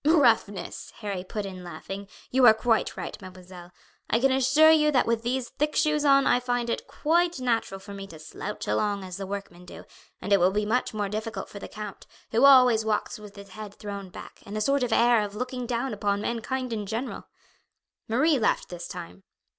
"Roughness," Harry put in laughing. "You are quite right, mademoiselle. I can assure you that with these thick shoes on I find it quite natural for me to slouch along as the workmen do; and it will be much more difficult for the count, who always walks with his head thrown back, and a sort of air of looking down upon mankind in general." Marie laughed this time.